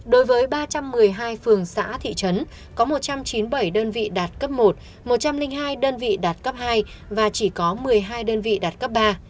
đối với ba trăm một mươi hai phường xã thị trấn có một trăm chín mươi bảy đơn vị đạt cấp một một trăm linh hai đơn vị đạt cấp hai và chỉ có một mươi hai đơn vị đạt cấp ba